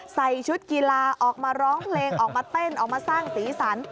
ใส่ชุดกีฬาออกมาร้องเพลงออกมาเต้นออกมาสร้างสีสัน